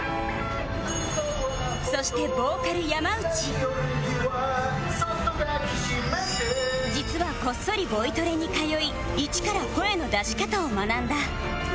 そして「そっと“抱きしめて”」実はこっそりボイトレに通い一から声の出し方を学んだ